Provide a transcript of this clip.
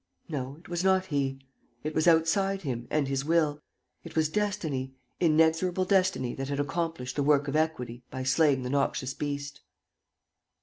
No, it was not he. It was outside him and his will. It was destiny, inexorable destiny that had accomplished the work of equity by slaying the noxious beast.